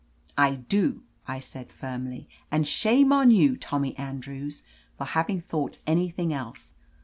"I do," I said firmly. "And shame on you, Tommy Andrews, for having thought any thing else.